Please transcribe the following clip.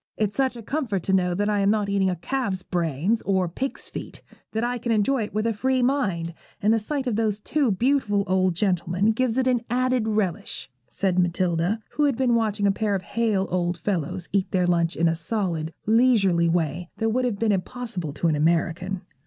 'It's such a comfort to know that I am not eating a calf's brains or a pig's feet, that I can enjoy it with a free mind, and the sight of those two beautiful old gentlemen gives it an added relish,' said Matilda, who had been watching a pair of hale old fellows eat their lunch in a solid, leisurely way that would have been impossible to an American.